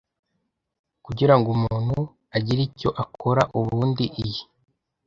Kugira ngo umuntu agire icyo akora? Ubundi, iyi